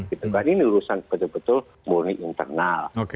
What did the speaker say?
ini urusan betul betul murni internal